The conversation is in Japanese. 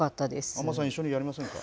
安間さん、一緒にやりませんか？